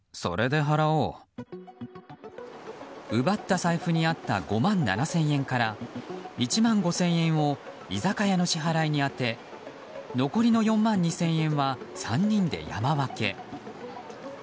奪った財布にあった５万７０００円から１万５０００円を居酒屋の支払いに充て残りの４万２０００円は３人で山分け。